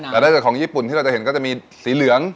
และในของญี่ปุ่นที่เราจะเห็นจะมีสีเหลือง